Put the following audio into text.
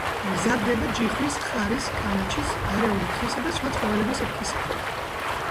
მზადდება ჯიხვის, ხარის, კამეჩის, გარეული თხისა და სხვა ცხოველების რქისაგან.